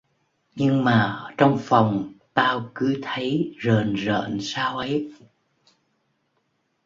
Nhưng mà ở trong phòng tao cứ thầy rờn rợn sao ấy